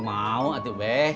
mau atuh be